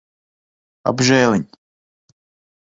Apžēliņ.